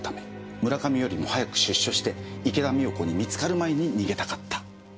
村上よりも早く出所して池田美代子に見つかる前に逃げたかった。